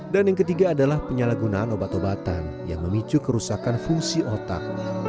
dan yang ketiga adalah penyalahgunaan obat obatan yang memicu kerusakan fungsi otak